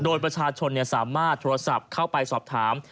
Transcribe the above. โดยประชาชนสามารถโทรศัพท์เข้าไปสอบถาม